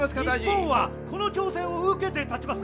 日本はこの挑戦を受けて立ちますか！？